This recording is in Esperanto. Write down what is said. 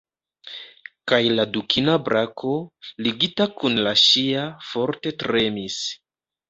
Kaj la dukina brako, ligita kun la ŝia, forte tremis.